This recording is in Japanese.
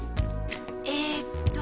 えっと。